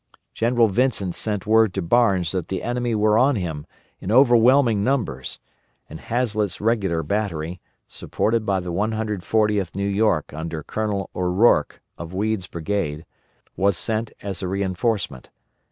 General Vincent sent word to Barnes that the enemy were on him in overwhelming numbers, and Hazlett's regular battery, supported by the 140th New York under Colonel O'Rorke of Weed's brigade, was sent as a reinforcement.